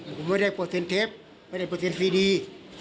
ผมไม่ได้เปอร์เซ็นเทปไม่ได้เปอร์เซ็นต์ฟรี